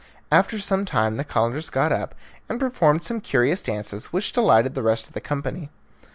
After some time the Calenders got up and performed some curious dances, which delighted the rest of the company.